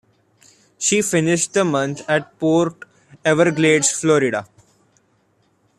She finished the month at Port Everglades, Florida.